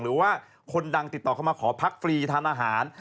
หรือว่าคนดังติดต่อเข้ามาขอพักฟรีทานอาหาร